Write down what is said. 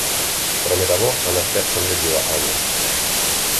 Кроме того, она сердцем любила Анну.